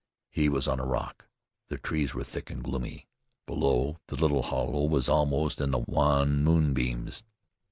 He was on a rock. The trees were thick and gloomy. Below, the little hollow was almost in the wan moonbeams.